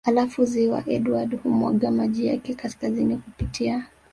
Halafu ziwa Edward humwaga maji yake kaskazini kupitia